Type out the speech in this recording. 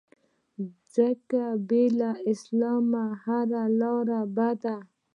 ځکه بې له اسلام هره لاره بده